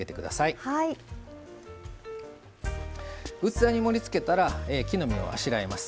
器に盛りつけたら木の芽をあしらいます。